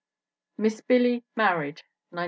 Miss Billy Married, 1914.